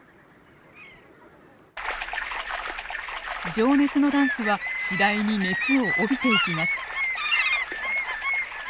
情熱のダンスは次第に熱を帯びていきます。